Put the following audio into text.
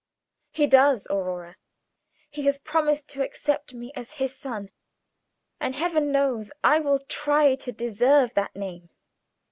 "He does, Aurora. He has promised to accept me as his son; and Heaven knows I will try to deserve that name.